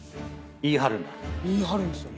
言い張るんですよ。